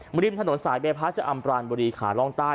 ริมถนนสายเบพะชะอำปรานบุรีขาล่องใต้